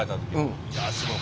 いやすごい。